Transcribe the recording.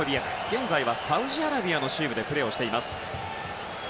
現在はサウジアラビアのチームでプレーしています。